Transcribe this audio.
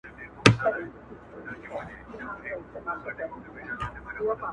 زهرجن خلک ستا له اصالت او ریښتینولۍ نه نارامه کېږي